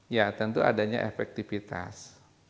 ya tentu adanya efektivitas